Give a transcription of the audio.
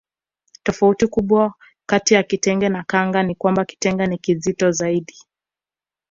Tofauti kubwa kati ya kitenge na kanga ni kwamba kitenge ni kizito zaidi